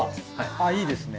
あっいいですね。